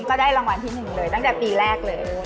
ก็ได้รางวัลที่๑เลยตั้งแต่ปีแรกเลย